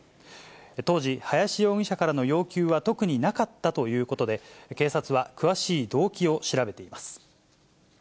当時、林容疑者からの要求は特になかったということで、警察は詳しい動機を調べています。